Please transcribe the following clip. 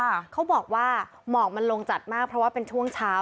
เขาบอกว่าหมอกมันลงจัดมากเพราะว่าเป็นช่วงเช้า